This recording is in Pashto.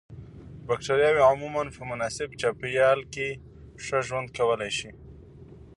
بکټریاوې عموماً په مناسب چاپیریال کې ښه ژوند کولای شي.